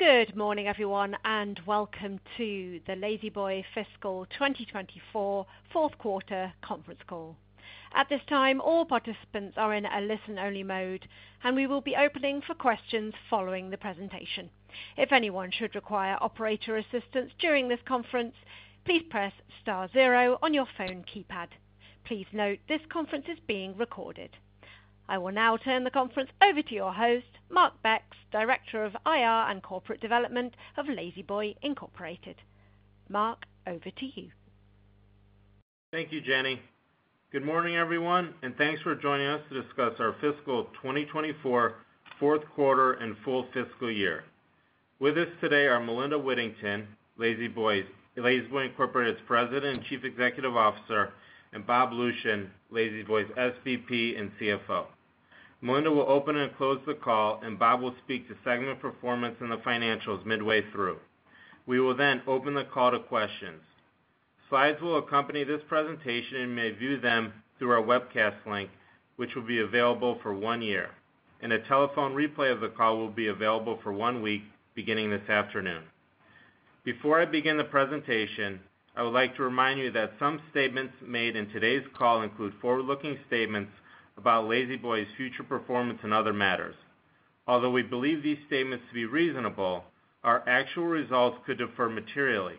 Good morning, everyone, and welcome to the La-Z-Boy Fiscal 2024 Q4 Conference Call. At this time, all participants are in a listen-only mode, and we will be opening for questions following the presentation. If anyone should require operator assistance during this conference, please press star zero on your phone keypad. Please note, this conference is being recorded. I will now turn the conference over to your host, Mark Becks, Director of IR and Corporate Development of La-Z-Boy Incorporated. Mark, over to you. Thank you, Jenny. Good morning, everyone, and thanks for joining us to discuss our fiscal 2024 Q4 and full fiscal year. With us today are Melinda Whittington, La-Z-Boy's, La-Z-Boy Incorporated's President and Chief Executive Officer, and Bob Lucian, La-Z-Boy's SVP and CFO. Melinda will open and close the call, and Bob will speak to segment performance and the financials midway through. We will then open the call to questions. Slides will accompany this presentation and may view them through our webcast link, which will be available for 1 year, and a telephone replay of the call will be available for 1 week, beginning this afternoon. Before I begin the presentation, I would like to remind you that some statements made in today's call include forward-looking statements about La-Z-Boy's future performance and other matters. Although we believe these statements to be reasonable, our actual results could differ materially.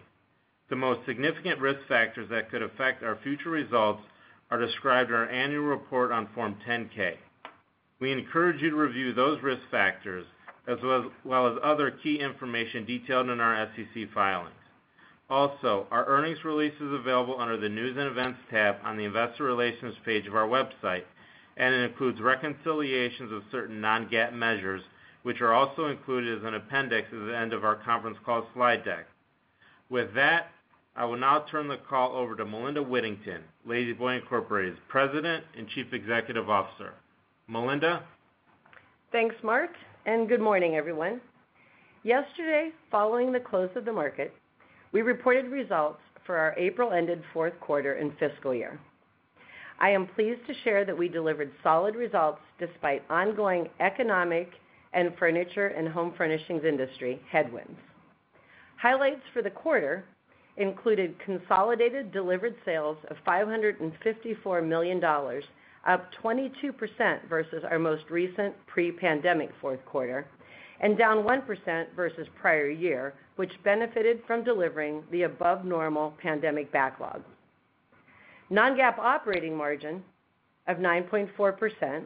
The most significant risk factors that could affect our future results are described in our annual report on Form 10-K. We encourage you to review those risk factors, as well as other key information detailed in our SEC filings. Also, our earnings release is available under the News and Events tab on the Investor Relations page of our website, and it includes reconciliations of certain non-GAAP measures, which are also included as an appendix at the end of our conference call slide deck. With that, I will now turn the call over to Melinda Whittington, La-Z-Boy Incorporated's President and Chief Executive Officer. Melinda? Thanks, Mark, and good morning, everyone. Yesterday, following the close of the market, we reported results for our April-ended Q4 and fiscal year. I am pleased to share that we delivered solid results despite ongoing economic and furniture and home furnishings industry headwinds. Highlights for the quarter included consolidated delivered sales of $554 million, up 22% versus our most recent pre-pandemic Q4, and down 1% versus prior year, which benefited from delivering the above normal pandemic backlog. Non-GAAP operating margin of 9.4%,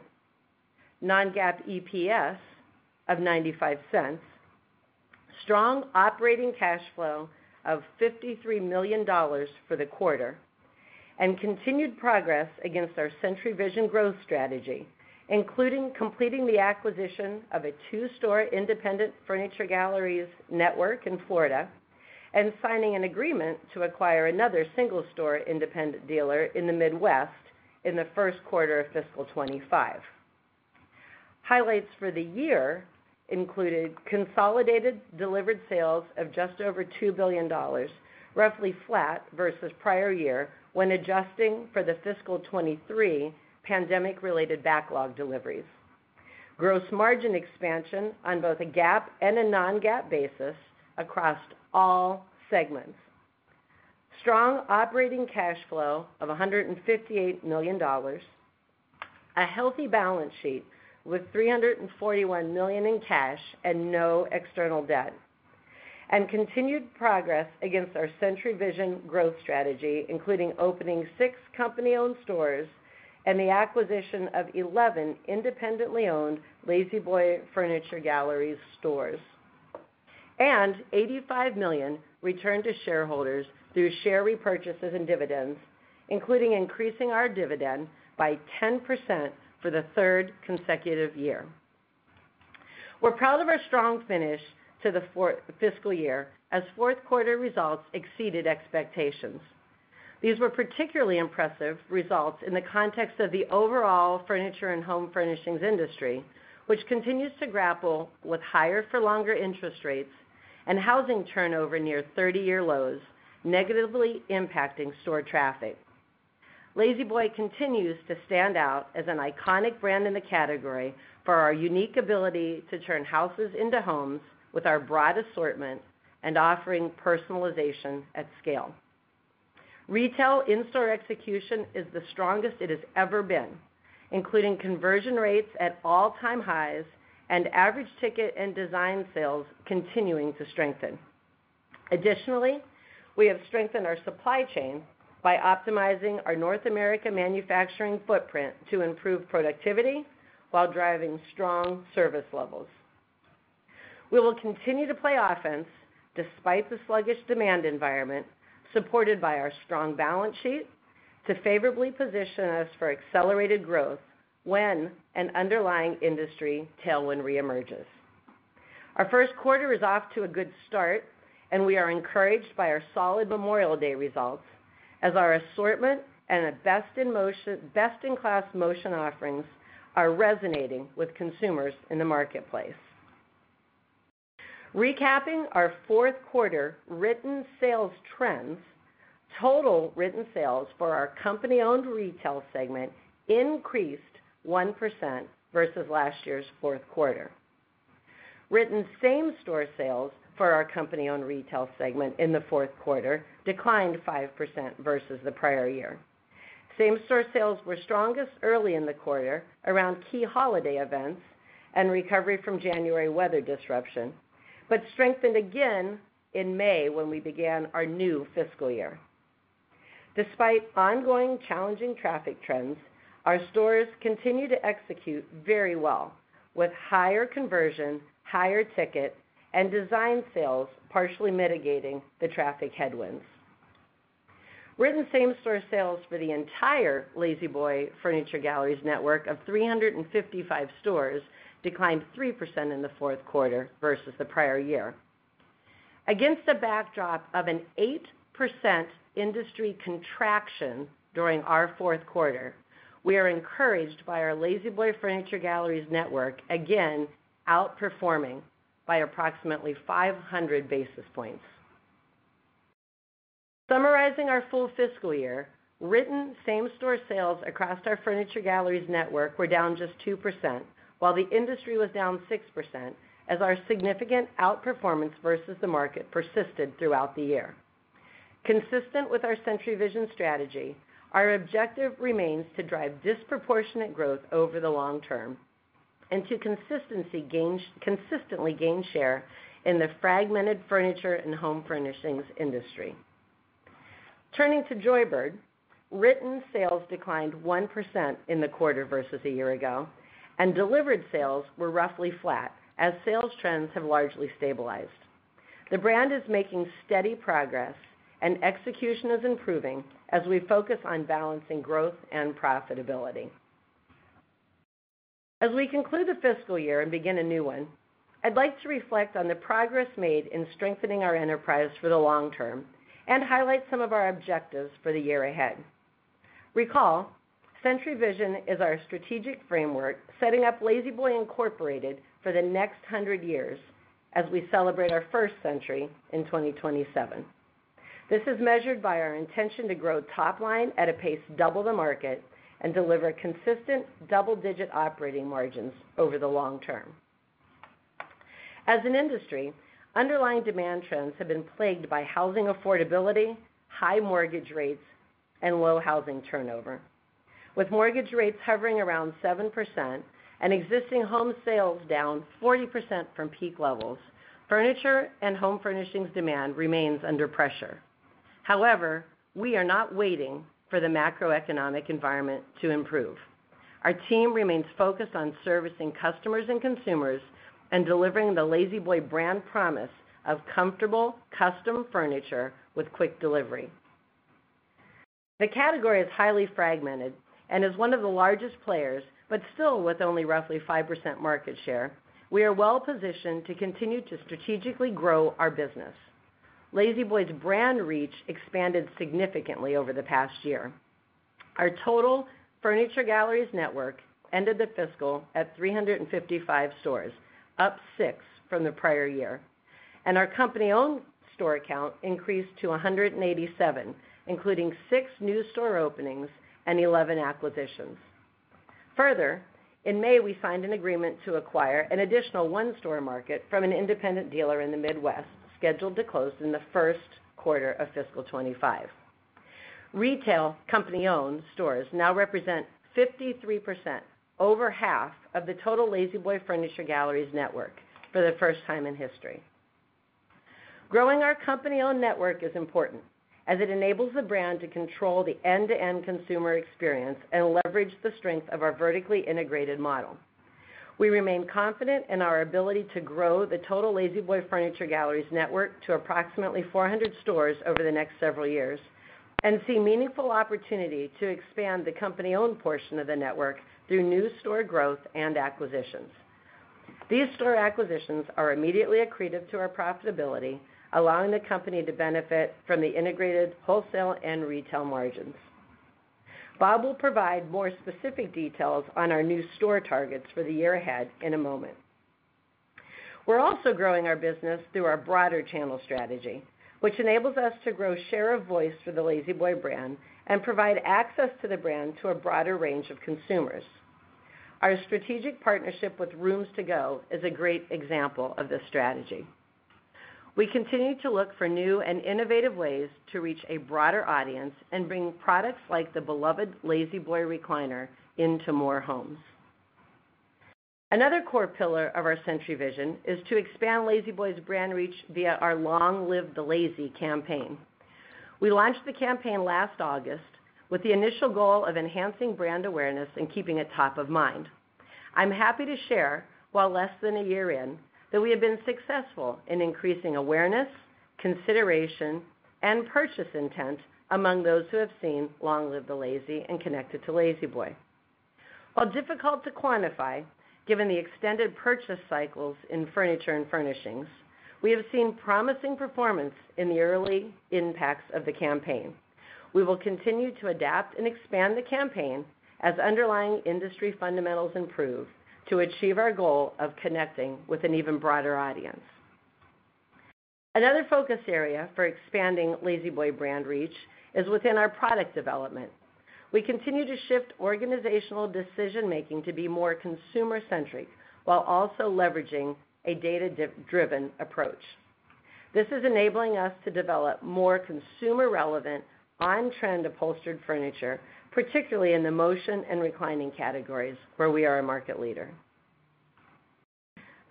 non-GAAP EPS of $0.95, strong operating cash flow of $53 million for the quarter, and continued progress against our Century Vision growth strategy, including completing the acquisition of a 2-store independent Furniture Galleries network in Florida, and signing an agreement to acquire another single-store independent dealer in the Midwest in the Q1 of fiscal 2025. Highlights for the year included consolidated delivered sales of just over $2 billion, roughly flat versus prior year, when adjusting for the fiscal 2023 pandemic-related backlog deliveries. Gross margin expansion on both a GAAP and a non-GAAP basis across all segments. Strong operating cash flow of $158 million, a healthy balance sheet with $341 million in cash and no external debt, and continued progress against our Century Vision growth strategy, including opening 6 company-owned stores and the acquisition of 11 independently owned La-Z-Boy Furniture Galleries stores. $85 million returned to shareholders through share repurchases and dividends, including increasing our dividend by 10% for the third consecutive year. We're proud of our strong finish to the fourth fiscal year, as Q4 results exceeded expectations. These were particularly impressive results in the context of the overall furniture and home furnishings industry, which continues to grapple with higher-for-longer interest rates and housing turnover near 30-year lows, negatively impacting store traffic. La-Z-Boy continues to stand out as an iconic brand in the category for our unique ability to turn houses into homes with our broad assortment and offering personalization at scale. Retail in-store execution is the strongest it has ever been, including conversion rates at all-time highs and average ticket and design sales continuing to strengthen. Additionally, we have strengthened our supply chain by optimizing our North America manufacturing footprint to improve productivity while driving strong service levels. We will continue to play offense despite the sluggish demand environment, supported by our strong balance sheet to favorably position us for accelerated growth when an underlying industry tailwind reemerges. Our Q1 is off to a good start, and we are encouraged by our solid Memorial Day results, as our assortment and best-in-class motion offerings are resonating with consumers in the marketplace. Recapping our Q4 written sales trends. Total written sales for our company-owned retail segment increased 1% versus last year's Q4. Written same-store sales for our company-owned retail segment in the Q4 declined 5% versus the prior year. Same-store sales were strongest early in the quarter around key holiday events and recovery from January weather disruption, but strengthened again in May when we began our new fiscal year. Despite ongoing challenging traffic trends, our stores continue to execute very well, with higher conversion, higher ticket, and design sales partially mitigating the traffic headwinds. Written same-store sales for the entire La-Z-Boy Furniture Galleries network of 355 stores declined 3% in the Q4 versus the prior year. Against the backdrop of an 8% industry contraction during our Q4, we are encouraged by our La-Z-Boy Furniture Galleries network again outperforming by approximately 500 basis points. Summarizing our full fiscal year, written same-store sales across our Furniture Galleries network were down just 2%, while the industry was down 6%, as our significant outperformance versus the market persisted throughout the year. Consistent with our Century Vision strategy, our objective remains to drive disproportionate growth over the long term and to consistently gain share in the fragmented furniture and home furnishings industry. Turning to Joybird, written sales declined 1% in the quarter versus a year ago, and delivered sales were roughly flat, as sales trends have largely stabilized. The brand is making steady progress, and execution is improving as we focus on balancing growth and profitability. As we conclude the fiscal year and begin a new one, I'd like to reflect on the progress made in strengthening our enterprise for the long term and highlight some of our objectives for the year ahead. Recall, Century Vision is our strategic framework, setting up La-Z-Boy Incorporated for the next hundred years as we celebrate our first century in 2027. This is measured by our intention to grow top line at a pace double the market and deliver consistent double-digit operating margins over the long term. As an industry, underlying demand trends have been plagued by housing affordability, high mortgage rates, and low housing turnover. With mortgage rates hovering around 7% and existing home sales down 40% from peak levels, furniture and home furnishings demand remains under pressure. However, we are not waiting for the macroeconomic environment to improve. Our team remains focused on servicing customers and consumers and delivering the La-Z-Boy brand promise of comfortable, custom furniture with quick delivery. The category is highly fragmented and is one of the largest players, but still with only roughly 5% market share, we are well positioned to continue to strategically grow our business. La-Z-Boy's brand reach expanded significantly over the past year. Our total Furniture Galleries network ended the fiscal at 355 stores, up 6 from the prior year, and our company-owned store count increased to 187, including 6 new store openings and 11 acquisitions. Further, in May, we signed an agreement to acquire an additional 1-store market from an independent dealer in the Midwest, scheduled to close in the Q1 of fiscal 2025. Retail company-owned stores now represent 53%, over half of the total La-Z-Boy Furniture Galleries network for the first time in history. Growing our company-owned network is important, as it enables the brand to control the end-to-end consumer experience and leverage the strength of our vertically integrated model. We remain confident in our ability to grow the total La-Z-Boy Furniture Galleries network to approximately 400 stores over the next several years and see meaningful opportunity to expand the company-owned portion of the network through new store growth and acquisitions. These store acquisitions are immediately accretive to our profitability, allowing the company to benefit from the integrated wholesale and retail margins. Bob will provide more specific details on our new store targets for the year ahead in a moment. We're also growing our business through our broader channel strategy, which enables us to grow share of voice for the La-Z-Boy brand and provide access to the brand to a broader range of consumers. Our strategic partnership with Rooms To Go is a great example of this strategy. We continue to look for new and innovative ways to reach a broader audience and bring products like the beloved La-Z-Boy recliner into more homes. Another core pillar of our Century Vision is to expand La-Z-Boy's brand reach via our Long Live the La-Z campaign. We launched the campaign last August with the initial goal of enhancing brand awareness and keeping it top of mind. I'm happy to share, while less than a year in, that we have been successful in increasing awareness, consideration, and purchase intent among those who have seen Long Live the La-Z and connected to La-Z-Boy. While difficult to quantify, given the extended purchase cycles in furniture and furnishings, we have seen promising performance in the early impacts of the campaign... We will continue to adapt and expand the campaign as underlying industry fundamentals improve to achieve our goal of connecting with an even broader audience. Another focus area for expanding La-Z-Boy brand reach is within our product development. We continue to shift organizational decision-making to be more consumer-centric, while also leveraging a data-dip-driven approach. This is enabling us to develop more consumer-relevant, on-trend upholstered furniture, particularly in the motion and reclining categories, where we are a market leader.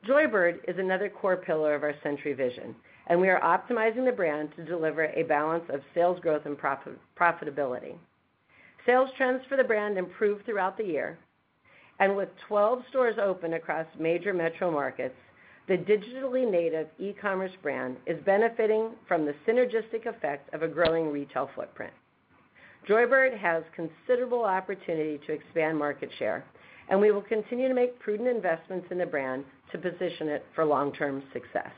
Joybird is another core pillar of our Century Vision, and we are optimizing the brand to deliver a balance of sales growth and profitability. Sales trends for the brand improved throughout the year, and with 12 stores open across major metro markets, the digitally native e-commerce brand is benefiting from the synergistic effect of a growing retail footprint. Joybird has considerable opportunity to expand market share, and we will continue to make prudent investments in the brand to position it for long-term success.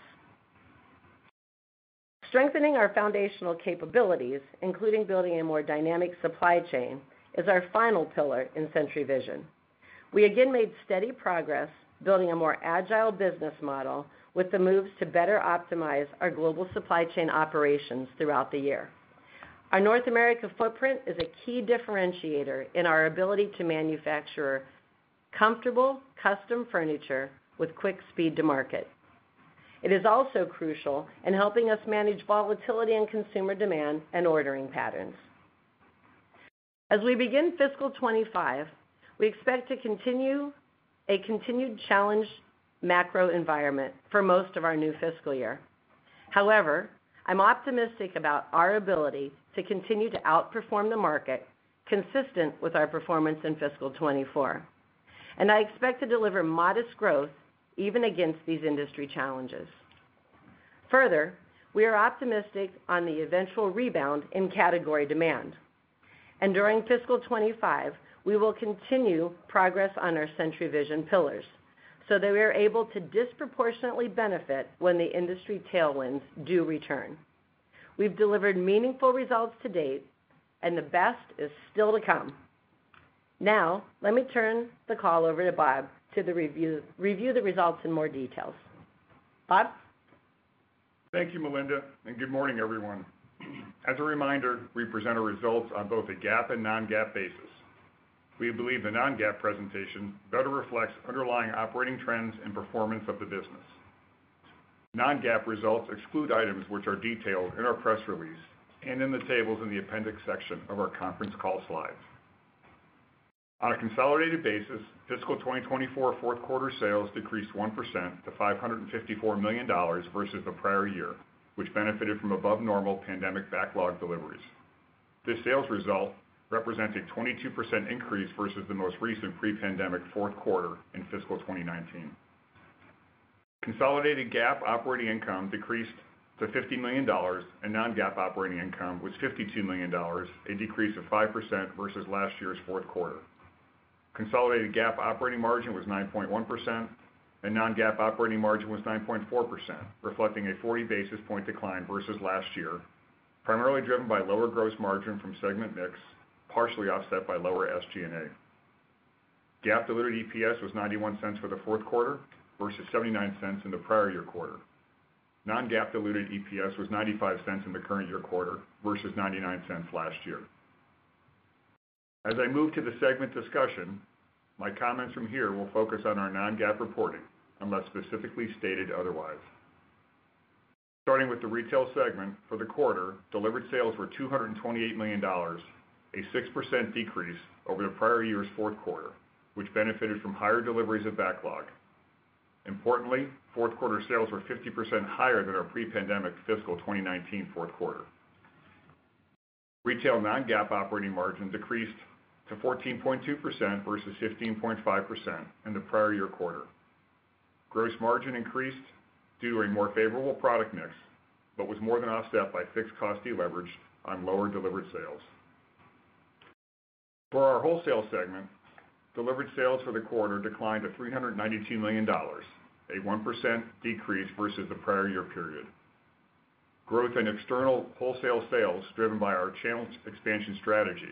Strengthening our foundational capabilities, including building a more dynamic supply chain, is our final pillar in Century Vision. We again made steady progress building a more agile business model with the moves to better optimize our global supply chain operations throughout the year. Our North America footprint is a key differentiator in our ability to manufacture comfortable, custom furniture with quick speed to market. It is also crucial in helping us manage volatility in consumer demand and ordering patterns. As we begin fiscal 2025, we expect a continued challenging macro environment for most of our new fiscal year. However, I'm optimistic about our ability to continue to outperform the market, consistent with our performance in fiscal 2024. I expect to deliver modest growth even against these industry challenges. Further, we are optimistic on the eventual rebound in category demand. During fiscal 2025, we will continue progress on our Century Vision pillars, so that we are able to disproportionately benefit when the industry tailwinds do return. We've delivered meaningful results to date, and the best is still to come. Now, let me turn the call over to Bob to review the results in more details. Bob? Thank you, Melinda, and good morning, everyone. As a reminder, we present our results on both a GAAP and non-GAAP basis. We believe the non-GAAP presentation better reflects underlying operating trends and performance of the business. Non-GAAP results exclude items which are detailed in our press release and in the tables in the appendix section of our conference call slides. On a consolidated basis, fiscal 2024 Q4 sales decreased 1% to $554 million versus the prior year, which benefited from above normal pandemic backlog deliveries. This sales result represents a 22% increase versus the most recent pre-pandemic Q4 in fiscal 2019. Consolidated GAAP operating income decreased to $50 million, and non-GAAP operating income was $52 million, a decrease of 5% versus last year's Q4. Consolidated GAAP operating margin was 9.1%, and non-GAAP operating margin was 9.4%, reflecting a 40 basis point decline versus last year, primarily driven by lower gross margin from segment mix, partially offset by lower SG&A. GAAP diluted EPS was $0.91 for the Q4 versus $0.79 in the prior year quarter. Non-GAAP diluted EPS was $0.95 in the current year quarter versus $0.99 last year. As I move to the segment discussion, my comments from here will focus on our non-GAAP reporting, unless specifically stated otherwise. Starting with the retail segment, for the quarter, delivered sales were $228 million, a 6% decrease over the prior year's Q4, which benefited from higher deliveries of backlog. Importantly, Q4 sales were 50% higher than our pre-pandemic fiscal 2019 Q4. Retail non-GAAP operating margin decreased to 14.2% versus 15.5% in the prior year quarter. Gross margin increased due to a more favorable product mix, but was more than offset by fixed cost deleverage on lower delivered sales. For our wholesale segment, delivered sales for the quarter declined to $392 million, a 1% decrease versus the prior year period. Growth in external wholesale sales, driven by our channel expansion strategy,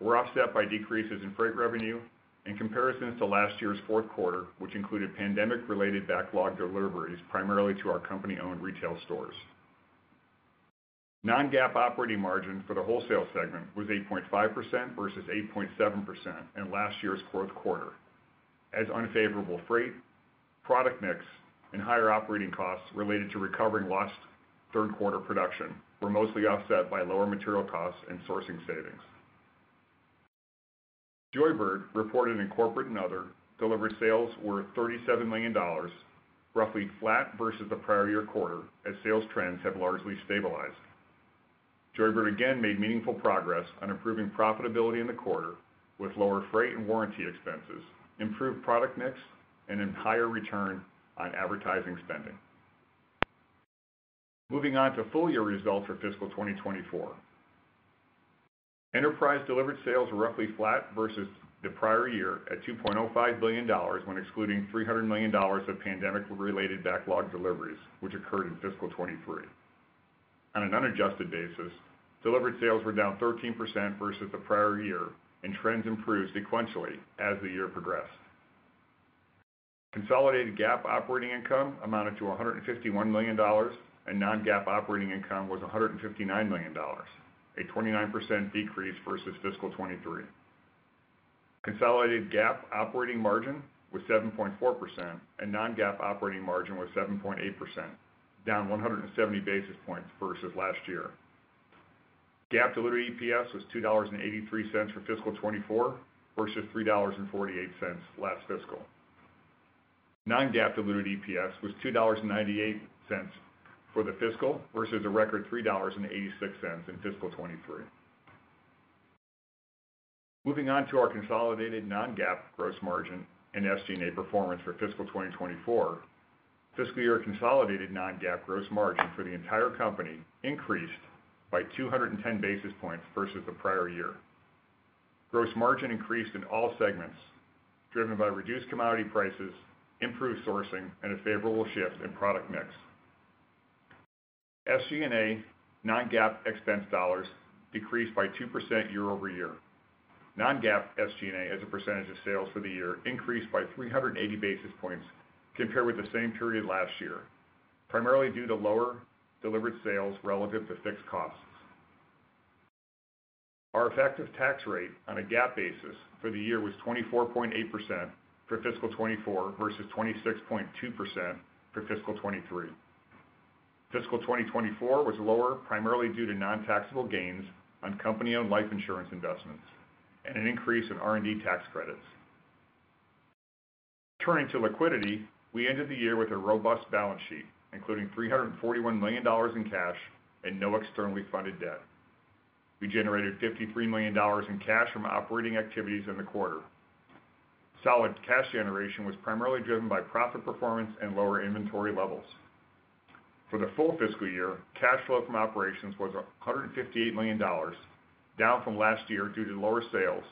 were offset by decreases in freight revenue in comparison to last year's Q4, which included pandemic-related backlog deliveries, primarily to our company-owned retail stores. Non-GAAP operating margin for the wholesale segment was 8.5% versus 8.7% in last year's Q4, as unfavorable freight, product mix, and higher operating costs related to recovering lost Q3 production were mostly offset by lower material costs and sourcing savings. Joybird reported in corporate and other delivered sales were $37 million, roughly flat versus the prior year quarter, as sales trends have largely stabilized. Joybird again made meaningful progress on improving profitability in the quarter with lower freight and warranty expenses, improved product mix, and a higher return on advertising spending. Moving on to full-year results for fiscal 2024. Enterprise delivered sales were roughly flat versus the prior year at $2.05 billion, when excluding $300 million of pandemic-related backlog deliveries, which occurred in fiscal 2023. On an unadjusted basis, delivered sales were down 13% versus the prior year, and trends improved sequentially as the year progressed. Consolidated GAAP operating income amounted to $151 million, and non-GAAP operating income was $159 million, a 29% decrease versus fiscal 2023. Consolidated GAAP operating margin was 7.4%, and non-GAAP operating margin was 7.8%, down 170 basis points versus last year. GAAP diluted EPS was $2.83 for fiscal 2024, versus $3.48 last fiscal. Non-GAAP diluted EPS was $2.98 for the fiscal, versus a record $3.86 in fiscal 2023. Moving on to our consolidated non-GAAP gross margin and SG&A performance for fiscal 2024. Fiscal year consolidated non-GAAP gross margin for the entire company increased by 210 basis points versus the prior year. Gross margin increased in all segments, driven by reduced commodity prices, improved sourcing, and a favorable shift in product mix. SG&A non-GAAP expense dollars decreased by 2% year over year. Non-GAAP SG&A, as a percentage of sales for the year, increased by 380 basis points compared with the same period last year, primarily due to lower delivered sales relative to fixed costs. Our effective tax rate on a GAAP basis for the year was 24.8% for fiscal 2024, versus 26.2% for fiscal 2023. Fiscal 2024 was lower, primarily due to non-taxable gains on company-owned life insurance investments and an increase in R&D tax credits. Turning to liquidity, we ended the year with a robust balance sheet, including $341 million in cash and no externally funded debt. We generated $53 million in cash from operating activities in the quarter. Solid cash generation was primarily driven by profit performance and lower inventory levels. For the full fiscal year, cash flow from operations was $158 million, down from last year due to lower sales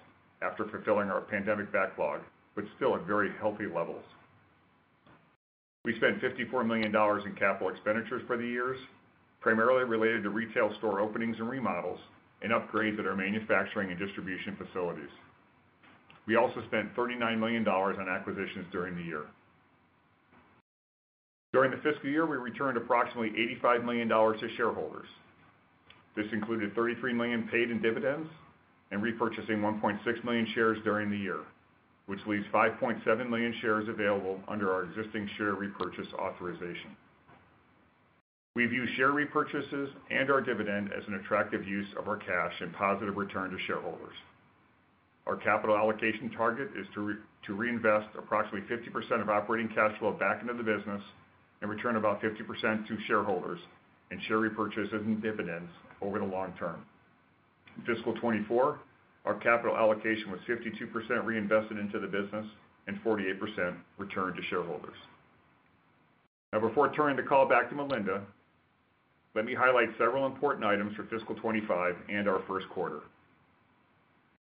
after fulfilling our pandemic backlog, but still at very healthy levels. We spent $54 million in capital expenditures for the years, primarily related to retail store openings and remodels, and upgrades at our manufacturing and distribution facilities. We also spent $39 million on acquisitions during the year. During the fiscal year, we returned approximately $85 million to shareholders. This included $33 million paid in dividends and repurchasing 1.6 million shares during the year, which leaves 5.7 million shares available under our existing share repurchase authorization. We view share repurchases and our dividend as an attractive use of our cash and positive return to shareholders. Our capital allocation target is to reinvest approximately 50% of operating cash flow back into the business and return about 50% to shareholders in share repurchases and dividends over the long term. In fiscal 2024, our capital allocation was 52% reinvested into the business and 48% returned to shareholders. Now, before turning the call back to Melinda, let me highlight several important items for fiscal 2025 and our Q1.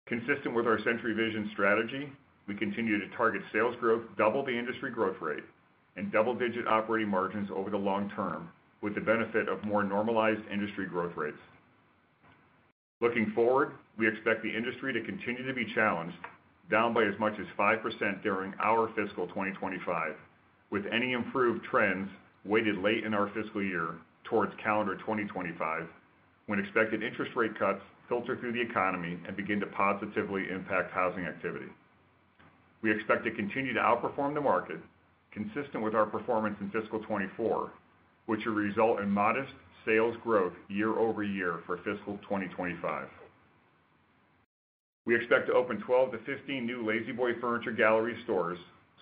Consistent with our Century Vision strategy, we continue to target sales growth, double the industry growth rate, and double-digit operating margins over the long term, with the benefit of more normalized industry growth rates. Looking forward, we expect the industry to continue to be challenged, down by as much as 5% during our fiscal 2025, with any improved trends weighted late in our fiscal year towards calendar 2025, when expected interest rate cuts filter through the economy and begin to positively impact housing activity. We expect to continue to outperform the market, consistent with our performance in fiscal 2024, which will result in modest sales growth year over year for fiscal 2025. We expect to open 12 to 15 new La-Z-Boy Furniture Gallery stores,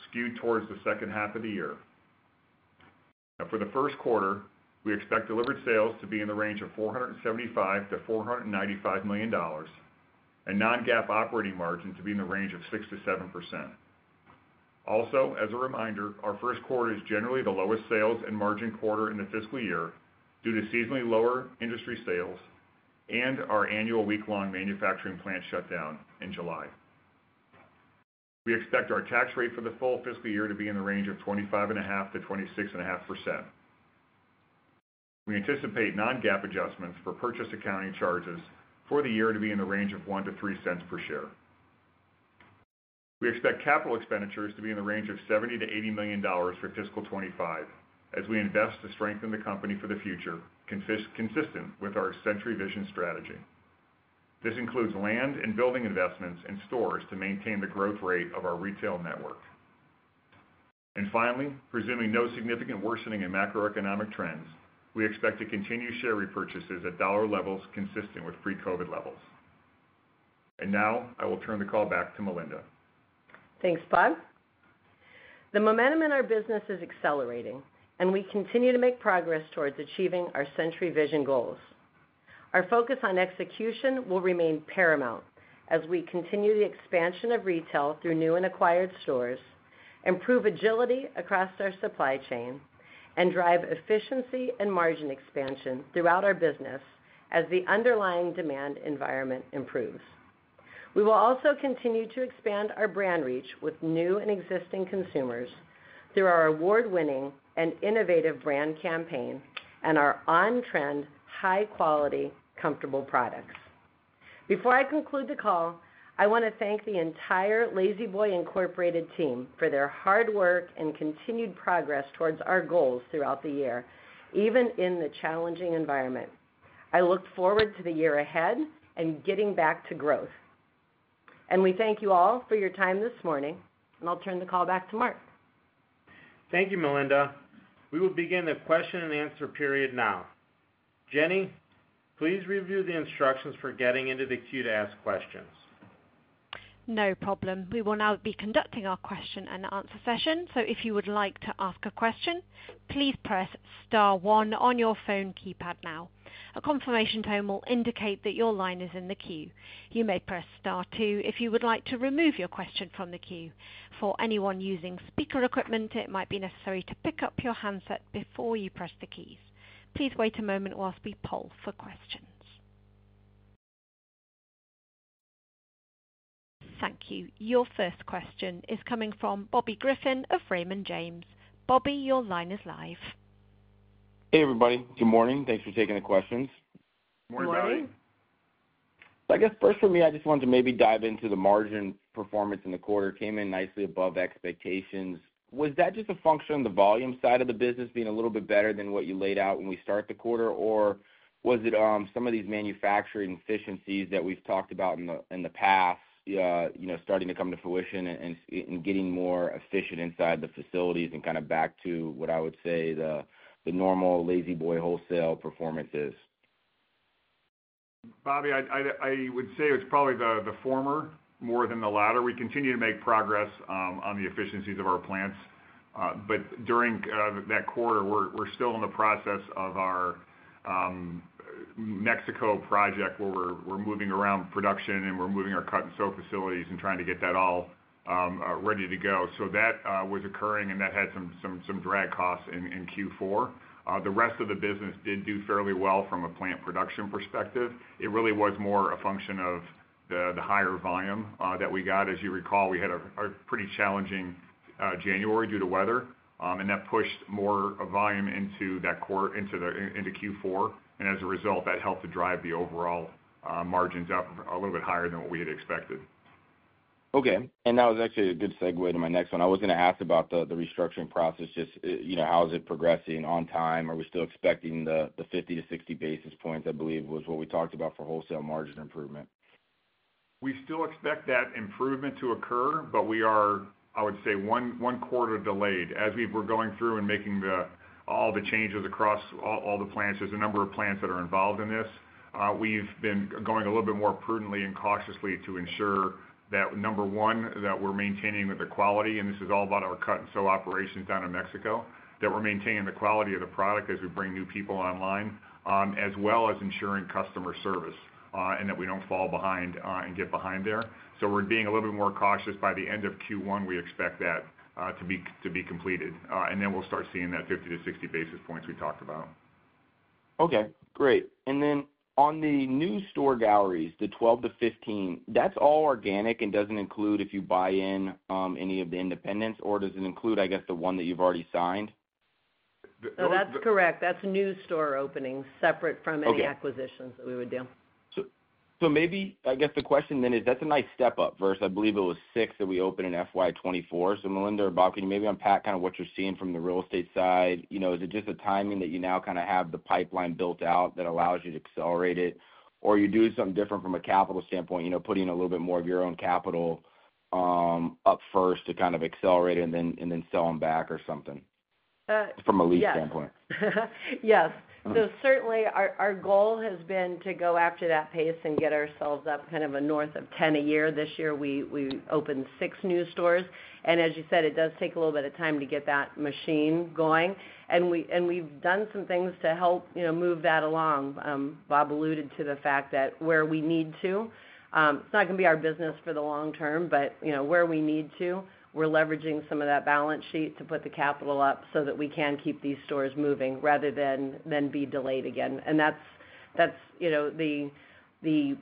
skewed towards the second half of the year. Now, for the Q1, we expect delivered sales to be in the range of $475 million to $495 million, and non-GAAP operating margin to be in the range of 6% to 7%. Also, as a reminder, our Q1 is generally the lowest sales and margin quarter in the fiscal year due to seasonally lower industry sales and our annual week-long manufacturing plant shutdown in July. We expect our tax rate for the full fiscal year to be in the range of 25.5% to 26.5%. We anticipate non-GAAP adjustments for purchase accounting charges for the year to be in the range of $0.01 to $0.03 per share. We expect capital expenditures to be in the range of $70 million to $80 million for fiscal 2025, as we invest to strengthen the company for the future, consistent with our Century Vision strategy. This includes land and building investments in stores to maintain the growth rate of our retail network. And finally, presuming no significant worsening in macroeconomic trends, we expect to continue share repurchases at dollar levels consistent with pre-COVID levels. And now, I will turn the call back to Melinda. Thanks, Bob. The momentum in our business is accelerating, and we continue to make progress towards achieving our Century Vision goals. Our focus on execution will remain paramount as we continue the expansion of retail through new and acquired stores, improve agility across our supply chain, and drive efficiency and margin expansion throughout our business as the underlying demand environment improves. We will also continue to expand our brand reach with new and existing consumers through our award-winning and innovative brand campaign and our on-trend, high-quality, comfortable products. Before I conclude the call, I want to thank the entire La-Z-Boy Incorporated team for their hard work and continued progress towards our goals throughout the year, even in the challenging environment. I look forward to the year ahead and getting back to growth. And we thank you all for your time this morning, and I'll turn the call back to Mark. Thank you, Melinda. We will begin the question and answer period now. Jenny, please review the instructions for getting into the queue to ask questions. No problem. We will now be conducting our Q&A session. So if you would like to ask a question, please press star one on your phone keypad now. A confirmation tone will indicate that your line is in the queue. You may press star two if you would like to remove your question from the queue. For anyone using speaker equipment, it might be necessary to pick up your handset before you press the keys. Please wait a moment while we poll for questions. Thank you. Your first question is coming from Bobby Griffin of Raymond James. Bobby, your line is live. Hey, everybody. Good morning. Thanks for taking the questions. Morning, Bobby. Good morning. I guess first for me, I just wanted to maybe dive into the margin performance in the quarter, came in nicely above expectations. Was that just a function of the volume side of the business being a little bit better than what you laid out when we start the quarter? Or was it some of these manufacturing efficiencies that we've talked about in the past, you know, starting to come to fruition and getting more efficient inside the facilities and kind of back to what I would say, the normal La-Z-Boy wholesale performance is? Bobby, I would say it's probably the former more than the latter. We continue to make progress on the efficiencies of our plants. But during that quarter, we're still in the process of our Mexico project, where we're moving around production and we're moving our cut-and-sew facilities and trying to get that all ready to go. So that was occurring, and that had some drag costs in Q4. The rest of the business did do fairly well from a plant production perspective. It really was more a function of the higher volume that we got. As you recall, we had a pretty challenging January due to weather, and that pushed more volume into Q4. As a result, that helped to drive the overall margins up a little bit higher than what we had expected. Okay. And that was actually a good segue to my next one. I was gonna ask about the restructuring process. Just, you know, how is it progressing on time? Are we still expecting the 50 to 60 basis points, I believe, was what we talked about for wholesale margin improvement? We still expect that improvement to occur, but we are, I would say, one quarter delayed. As we were going through and making all the changes across all the plants, there's a number of plants that are involved in this. We've been going a little bit more prudently and cautiously to ensure that, number one, that we're maintaining the quality, and this is all about our cut-and-sew operations down in Mexico, that we're maintaining the quality of the product as we bring new people online, as well as ensuring customer service, and that we don't fall behind and get behind there. So we're being a little bit more cautious. By the end of Q1, we expect that to be completed, and then we'll start seeing that 50 to 60 basis points we talked about. Okay, great. Then on the new store galleries, the 12 to 15, that's all organic and doesn't include if you buy in any of the independents, or does it include, I guess, the one that you've already signed? No, that's correct. That's new store openings, separate from Okay any acquisitions that we would do. So, maybe I guess the question then is, that's a nice step up versus I believe it was 6 that we opened in FY 2024. So Melinda or Bob, can you maybe unpack kind of what you're seeing from the real estate side? You know, is it just the timing that you now kind of have the pipeline built out that allows you to accelerate it? Or are you doing something different from a capital standpoint, you know, putting a little bit more of your own capital up first to kind of accelerate it and then, and then sell them back or something from a lease standpoint? Yes. Mm-hmm. So certainly, our goal has been to go after that pace and get ourselves up kind of a north of 10 a year. This year, we opened 6 new stores, and as you said, it does take a little bit of time to get that machine going. And we've done some things to help, you know, move that along. Bob alluded to the fact that where we need to, it's not gonna be our business for the long term, but, you know, where we need to, we're leveraging some of that balance sheet to put the capital up so that we can keep these stores moving rather than be delayed again. And that's, you know, the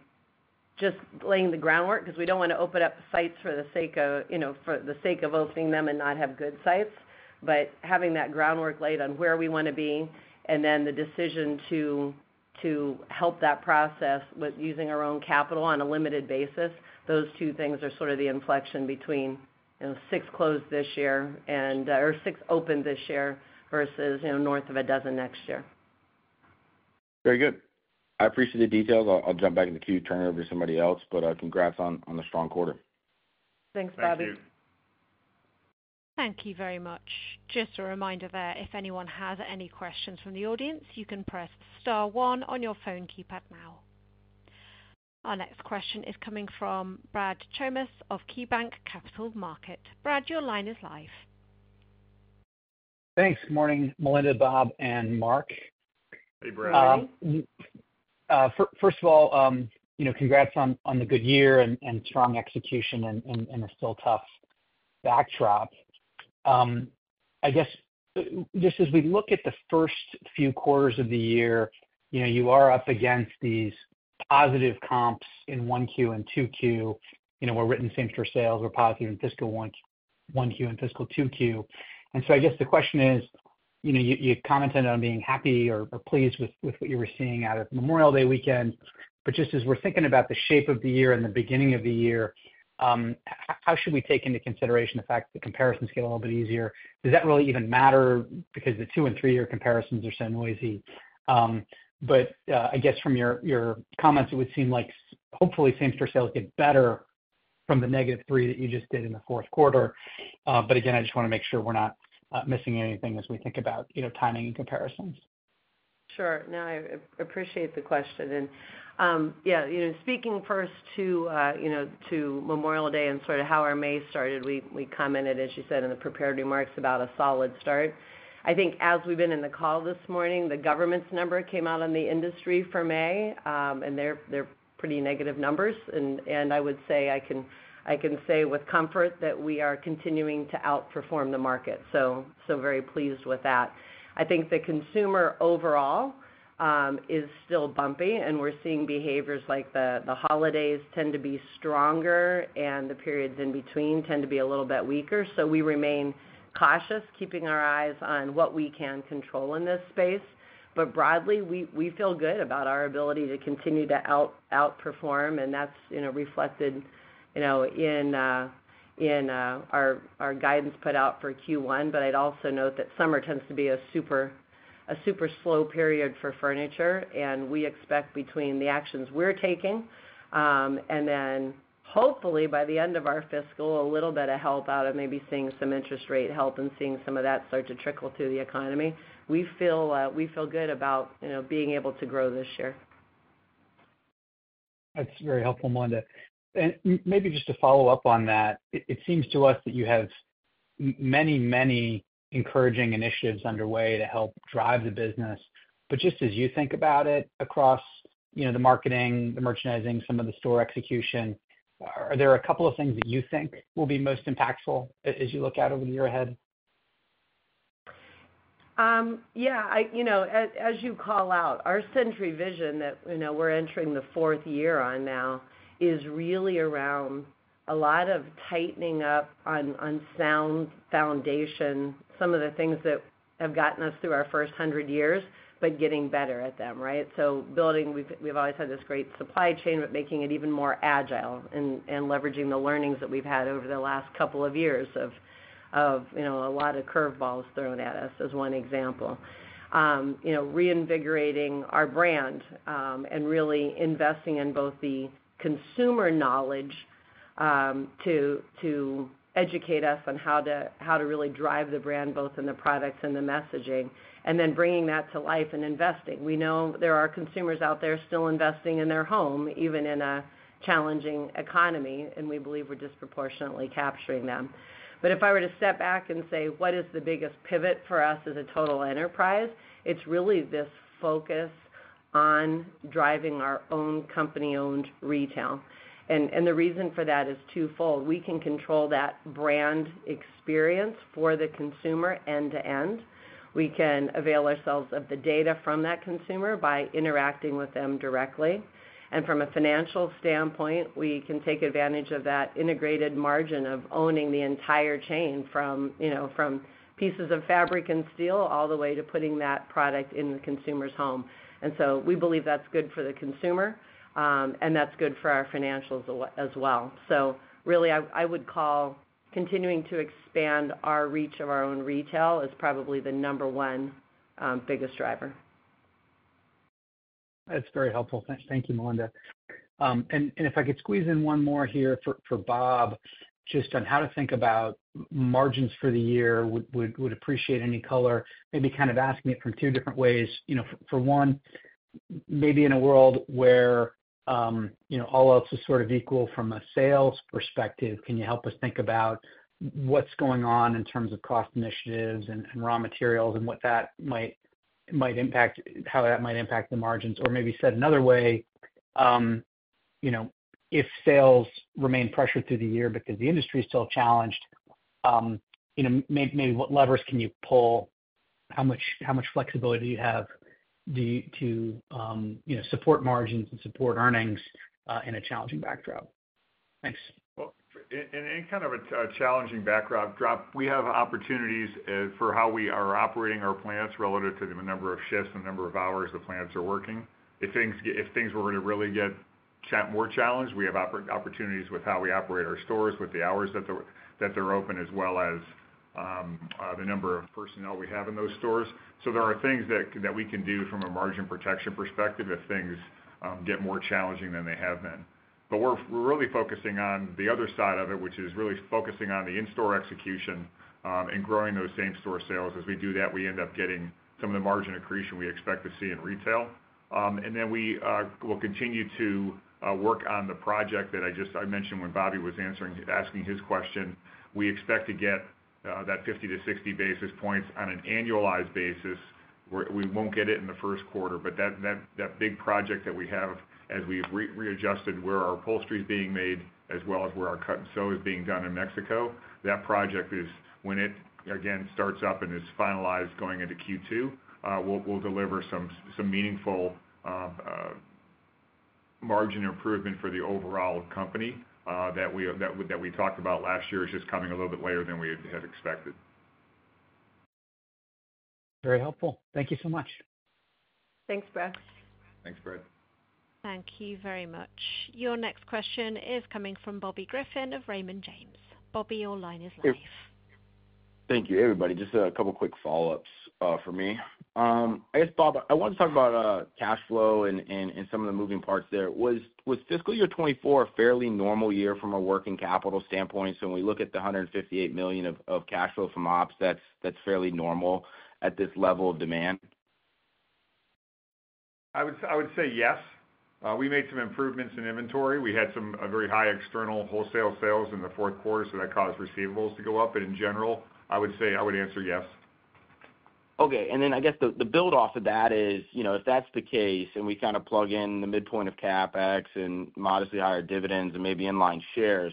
just laying the groundwork, because we don't want to open up sites for the sake of, you know, for the sake of opening them and not have good sites. But having that groundwork laid on where we want to be and then the decision to help that process with using our own capital on a limited basis, those two things are sort of the inflection between, you know, 6 closed this year and or 6 opened this year versus, you know, north of a dozen next year. Very good. I appreciate the details. I'll, I'll jump back in the queue, turn it over to somebody else, but congrats on, on the strong quarter. Thanks, Bobby. Thank you. Thank you very much. Just a reminder there, if anyone has any questions from the audience, you can press star one on your phone keypad now. Our next question is coming from Brad Thomas of KeyBanc Capital Markets. Brad, your line is live. Thanks. Morning, Melinda, Bob, and Mark. Hey, Brad. Morning. First of all, you know, congrats on the good year and strong execution in a still tough backdrop. I guess, just as we look at the first few quarters of the year, you know, you are up against these positive comps in Q1 and Q2, you know, where written same-store sales were positive in fiscal Q1 and fiscal Q2. And so I guess the question is, you know, you commented on being happy or pleased with what you were seeing out of Memorial Day weekend. But just as we're thinking about the shape of the year and the beginning of the year, how should we take into consideration the fact the comparisons get a little bit easier? Does that really even matter because the 2 and 3 year comparisons are so noisy? But, I guess from your, your comments, it would seem like hopefully same-store sales get better from the -3 that you just did in the Q4. But again, I just wanna make sure we're not missing anything as we think about, you know, timing and comparisons. Sure. No, I appreciate the question. And, yeah, you know, speaking first to, you know, to Memorial Day and sort of how our May started, we commented, as you said in the prepared remarks, about a solid start. I think as we've been in the call this morning, the government's number came out on the industry for May, and they're pretty negative numbers. And I would say, I can say with comfort that we are continuing to outperform the market, so very pleased with that. I think the consumer overall is still bumpy, and we're seeing behaviors like the holidays tend to be stronger and the periods in between tend to be a little bit weaker. So we remain cautious, keeping our eyes on what we can control in this space. But broadly, we feel good about our ability to continue to outperform, and that's, you know, reflected, you know, in our guidance put out for Q1. But I'd also note that summer tends to be a super slow period for furniture, and we expect between the actions we're taking, and then hopefully by the end of our fiscal, a little bit of help out of maybe seeing some interest rate help and seeing some of that start to trickle through the economy. We feel good about, you know, being able to grow this year. That's very helpful, Melinda. And maybe just to follow up on that, it seems to us that you have many, many encouraging initiatives underway to help drive the business. But just as you think about it across, you know, the marketing, the merchandising, some of the store execution, are there a couple of things that you think will be most impactful as you look out over the year ahead? Yeah, you know, as you call out, our Century Vision that, you know, we're entering the fourth year on now, is really around a lot of tightening up on sound foundation, some of the things that have gotten us through our first hundred years, but getting better at them, right? So building, we've always had this great supply chain, but making it even more agile and leveraging the learnings that we've had over the last couple of years of, you know, a lot of curveballs thrown at us, as one example. You know, reinvigorating our brand and really investing in both the consumer knowledge to educate us on how to really drive the brand, both in the products and the messaging, and then bringing that to life and investing. We know there are consumers out there still investing in their home, even in a challenging economy, and we believe we're disproportionately capturing them. But if I were to step back and say, what is the biggest pivot for us as a total enterprise? It's really this focus on driving our own company-owned retail. And the reason for that is twofold: We can control that brand experience for the consumer end to end. We can avail ourselves of the data from that consumer by interacting with them directly. And from a financial standpoint, we can take advantage of that integrated margin of owning the entire chain from, you know, from pieces of fabric and steel, all the way to putting that product in the consumer's home. And so we believe that's good for the consumer, and that's good for our financials as well. So really, I, I would call continuing to expand our reach of our own retail is probably the number one, biggest driver. That's very helpful. Thank you, Melinda. And if I could squeeze in one more here for Bob, just on how to think about margins for the year. Would appreciate any color, maybe kind of asking it from two different ways. You know, for one, maybe in a world where, you know, all else is sort of equal from a sales perspective, can you help us think about what's going on in terms of cost initiatives and raw materials and what that might impact how that might impact the margins? Or maybe said another way, you know, if sales remain pressured through the year because the industry is still challenged, you know, maybe what levers can you pull? How much flexibility do you have to, you know, support margins and support earnings in a challenging backdrop? Thanks. Well, in any kind of a challenging backdrop, we have opportunities for how we are operating our plants relative to the number of shifts, the number of hours the plants are working. If things were to really get more challenged, we have opportunities with how we operate our stores, with the hours that they're open, as well as the number of personnel we have in those stores. So there are things that we can do from a margin protection perspective if things get more challenging than they have been. But we're really focusing on the other side of it, which is really focusing on the in-store execution and growing those same-store sales. As we do that, we end up getting some of the margin accretion we expect to see in retail. And then we'll continue to work on the project that I just mentioned when Bobby was answering, asking his question. We expect to get that 50 to 60 basis points on an annualized basis. We won't get it in the Q1, but that big project that we have as we've readjusted where our upholstery is being made, as well as where our cut-and-sew is being done in Mexico, that project, when it again starts up and is finalized going into Q2, we'll deliver some meaningful margin improvement for the overall company that we talked about last year is just coming a little bit later than we had expected. Very helpful. Thank you so much. Thanks, Brad. Thanks, Brad. Thank you very much. Your next question is coming from Bobby Griffin of Raymond James. Bobby, your line is live. Thank you, everybody. Just a couple quick follow-ups for me. I guess, Bob, I want to talk about cash flow and some of the moving parts there. Was fiscal year 2024 a fairly normal year from a working capital standpoint? So when we look at the $158 million of cash flow from ops, that's fairly normal at this level of demand? I would say yes. We made some improvements in inventory. We had some, a very high external wholesale sales in the Q4, so that caused receivables to go up. But in general, I would say, I would answer yes. Okay. And then I guess the, the build off of that is, you know, if that's the case, and we kinda plug in the midpoint of CapEx and modestly higher dividends and maybe inline shares,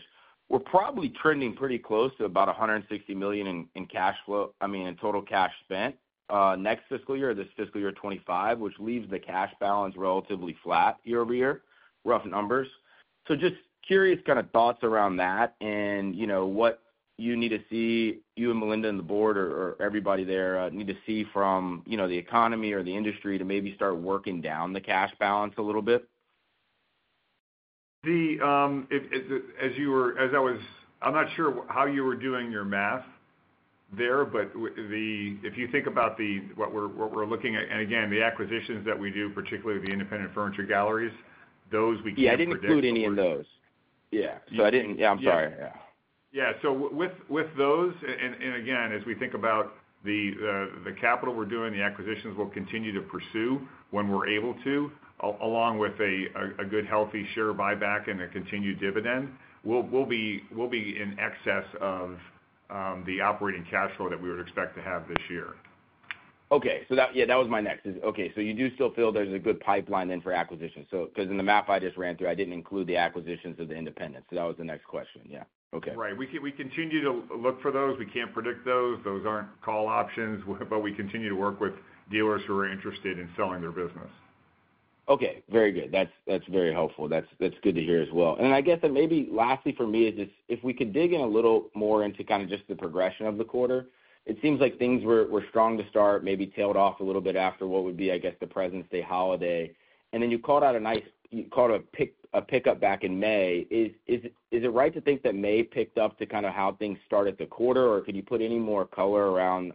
we're probably trending pretty close to about $160 million in, in cash flow, I mean, in total cash spent, next fiscal year 2025, which leaves the cash balance relatively flat year-over-year, rough numbers. So just curious kinda thoughts around that and you know, what you need to see, you and Melinda and the board or, or everybody there, need to see from, you know, the economy or the industry to maybe start working down the cash balance a little bit? I'm not sure how you were doing your math there, but if you think about what we're looking at, and again, the acquisitions that we do, particularly the independent Furniture Galleries, those we can Yeah, I didn't include any of those. Yeah. You- Yeah, I'm sorry. Yeah. Yeah. So with those and again, as we think about the capital we're doing, the acquisitions we'll continue to pursue when we're able to, along with a good, healthy share buyback and a continued dividend, we'll be in excess of the operating cash flow that we would expect to have this year. Okay. So yeah, that was my next. Okay, so you do still feel there's a good pipeline then for acquisitions? So, 'cause in the math I just ran through, I didn't include the acquisitions of the independents, so that was the next question. Yeah. Okay. Right. We continue to look for those. We can't predict those. Those aren't call options, but we continue to work with dealers who are interested in selling their business. Okay, very good. That's, that's very helpful. That's, that's good to hear as well. And I guess then maybe lastly for me is just, if we could dig in a little more into kinda just the progression of the quarter. It seems like things were, were strong to start, maybe tailed off a little bit after what would be, I guess, the Presidents' Day holiday. And then you called out a nice- you called a pic- a pickup back in May. Is, is it, is it right to think that May picked up to kinda how things started the quarter? Or could you put any more color around,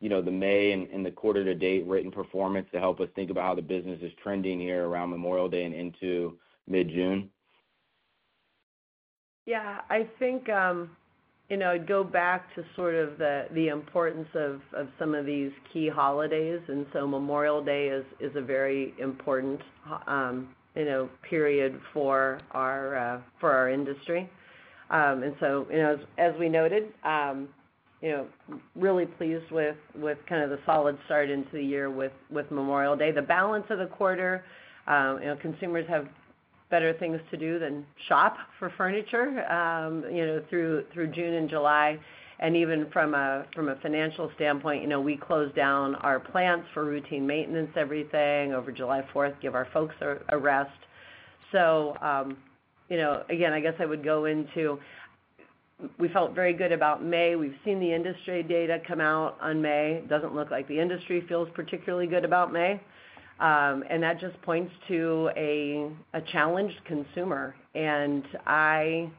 you know, the May and, and the quarter to date written performance to help us think about how the business is trending here around Memorial Day and into mid-June? Yeah, I think, you know, I'd go back to sort of the importance of some of these key holidays, and so Memorial Day is a very important, you know, period for our industry. And so, you know, as we noted, you know, really pleased with kinda the solid start into the year with Memorial Day. The balance of the quarter, you know, consumers have better things to do than shop for furniture, you know, through June and July. And even from a financial standpoint, you know, we closed down our plants for routine maintenance, everything, over July 4th, give our folks a rest. So, you know, again, I guess I would go into. We felt very good about May. We've seen the industry data come out on May. Doesn't look like the industry feels particularly good about May. And that just points to a challenged consumer. And I,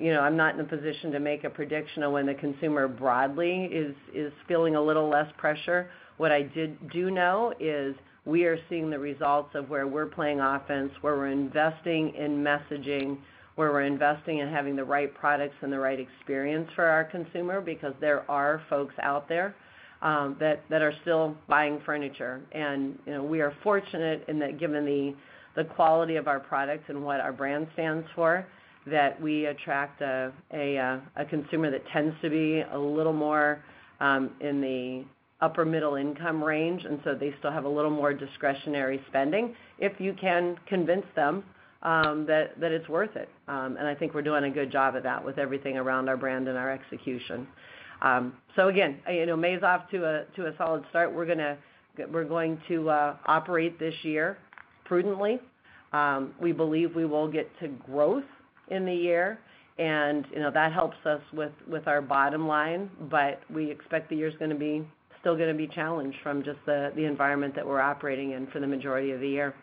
you know, I'm not in a position to make a prediction on when the consumer broadly is feeling a little less pressure. What I do know is we are seeing the results of where we're playing offense, where we're investing in messaging, where we're investing in having the right products and the right experience for our consumer, because there are folks out there that are still buying furniture. You know, we are fortunate in that given the quality of our products and what our brand stands for, that we attract a consumer that tends to be a little more in the upper middle income range, and so they still have a little more discretionary spending, if you can convince them that it's worth it. I think we're doing a good job of that with everything around our brand and our execution. So again, you know, May's off to a solid start. We're going to operate this year prudently. We believe we will get to growth in the year, and, you know, that helps us with our bottom line, but we expect the year's gonna be still gonna be challenged from just the environment that we're operating in for the majority of the year.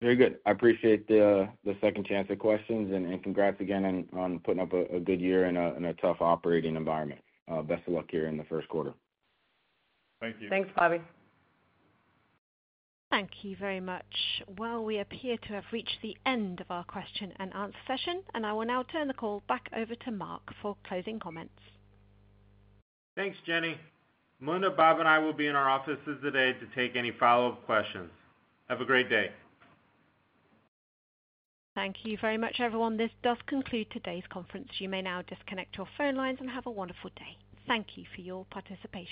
Very good. I appreciate the second chance at questions, and congrats again on putting up a good year in a tough operating environment. Best of luck here in the Q1. Thank you. Thanks, Bobby. Thank you very much. Well, we appear to have reached the end of our Q&A session, and I will now turn the call back over to Mark for closing comments. Thanks, Jenny. Melinda, Bob, and I will be in our offices today to take any follow-up questions. Have a great day. Thank you very much, everyone. This does conclude today's conference. You may now disconnect your phone lines and have a wonderful day. Thank you for your participation.